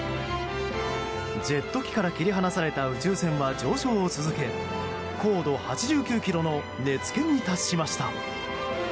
ジェット機から切り離された宇宙船は、上昇を続け高度８９ｋｍの熱圏に達しました。